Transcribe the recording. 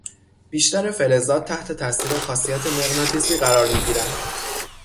بیشتر فلزات تحت تاثیر خاصیت مغناطیسی قرار میگیرند.